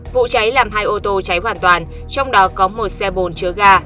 vụ cháy làm hai ô tô cháy hoàn toàn trong đó có một xe bồn chở gà